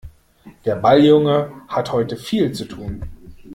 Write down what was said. Der Balljunge hat heute viel zu tun.